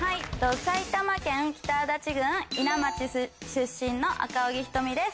埼玉県北足立郡伊奈町出身の赤荻瞳です。